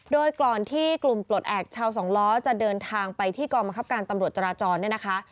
โดยก่อนที่กลุ่มปลดแอบชาวสองล้อจะเดินทางไปที่กองบังคับการตำรวจจราจรเนี่ยนะคะ